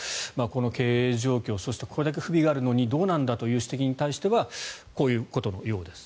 この経営状況そしてこれだけ不備があるのにどうなんだという指摘に対してはこういうことのようです。